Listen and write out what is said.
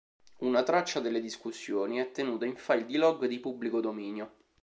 Una traccia delle discussioni è tenuta in file di log di pubblico dominio.